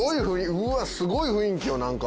うわすごい雰囲気よなんか。